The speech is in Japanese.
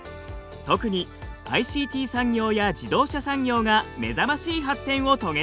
特にＩＣＴ産業や自動車産業が目覚ましい発展を遂げています。